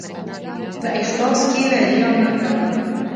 په اخلاص کښېنه، ریا مه کوه.